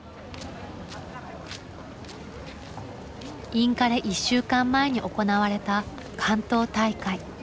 インカレ１週間前に行われた関東大会。